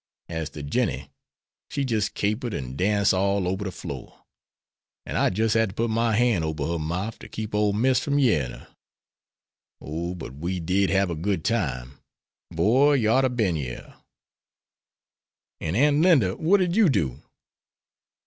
As to Jinny, she jis' capered and danced all ober de flore. An' I jis' had to put my han' ober her mouf to keep ole Miss from yereing her. Oh, but we did hab a good time. Boy, yer oughter been yere." "And, Aunt Linda, what did you do?"